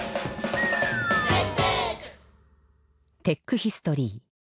テックヒストリー。